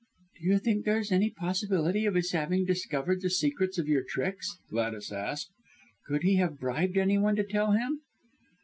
"Do you think there is any possibility of his having discovered the secrets of your tricks?" Gladys asked. "Could he have bribed any one to tell him?"